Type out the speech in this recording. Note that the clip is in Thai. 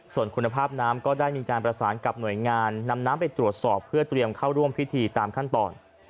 ส่วนคุณภาพน้ำก็ได้มีการประสานกับหน่วยงานนำน้ำไปตรวจสอบเพื่อเตรียมเข้าร่วมพิธีตามขั้นตอน